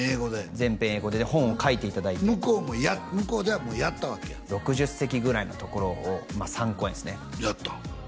全編英語で本を書いていただいて向こうではもうやったわけや６０席ぐらいのところを３公演ですねやったん？